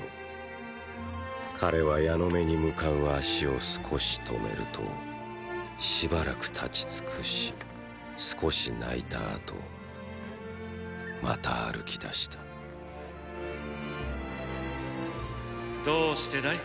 彼はヤノメに向かう足を少し止めるとしばらく立ち尽くし少し泣いた後また歩き出したどうしてだい？